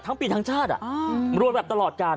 ทั้งปีทั้งชาติรวยแบบตลอดการ